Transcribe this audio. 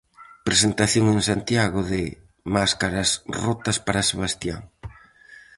Presentación en Santiago de "Máscaras rotas para Sebastián".